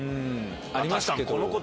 ありましたけど。